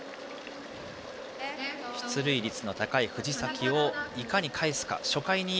出塁率の高い藤崎をいかにかえすか。